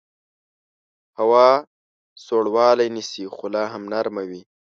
هوا سوړوالی نیسي خو لاهم نرمه وي